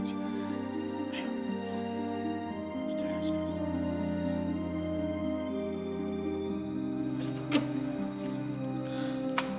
sudah sudah sudah